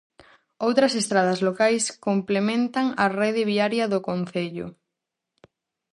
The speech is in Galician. Outras estradas locais complementan a rede viaria do concello.